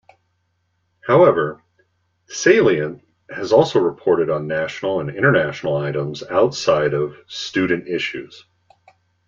However, "Salient" has also reported on national and international items outside of "student" issues.